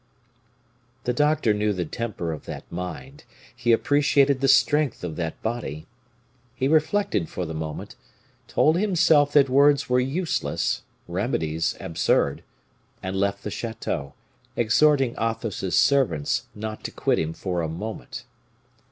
The doctor knew the temper of that mind; he appreciated the strength of that body; he reflected for the moment, told himself that words were useless, remedies absurd, and left the chateau, exhorting Athos's servants not to quit him for a moment.